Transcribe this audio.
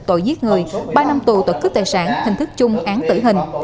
tội giết người ba năm tù tội cướp tài sản hình thức chung án tử hình